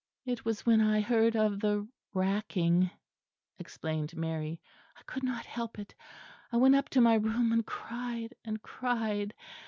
"It was when I heard of the racking," explained Mary, "I could not help it. I went up to my room and cried and cried.